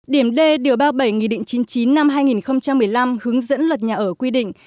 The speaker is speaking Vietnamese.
điểm d điều ba mươi bảy nghị định chín mươi chín năm hai nghìn một mươi năm hướng dẫn luật nhà ở quy định